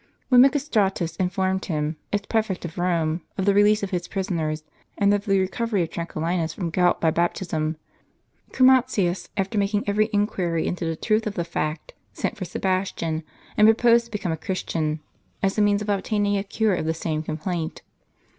When Mcostratus informed him, as prefect of Rome, of the release of his prisoners, and of the recovery of Tranquillinus from gout by baptism, Chromatins, after making every inquiry into the truth of the fact, sent for Sebastian, and proposed to become a Christian, as a means of obtaining a cure of the same complaint.